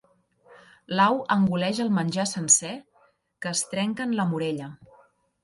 L'au engoleix el menjar sencer, què es trenca en la morella.